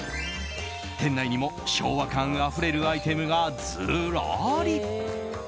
店内にも昭和感あふれるアイテムがずらり。